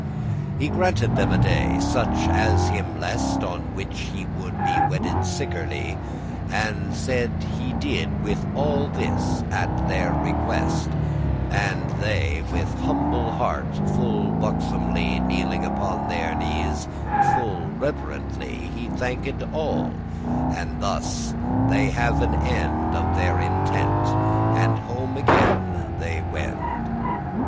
He granted them a day, such as him lest, On which he would be wedded sickerly,* *certainly And said he did all this at their request; And they with humble heart full buxomly,* *obediently <3> Kneeling upon their knees full reverently, Him thanked all; and thus they have an end Of their intent, and home again they wend.